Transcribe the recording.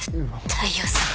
大陽さま！